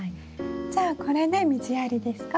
じゃあこれで水やりですか？